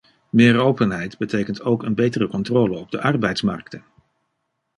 Meer openheid betekent ook een betere controle op de arbeidsmarkten.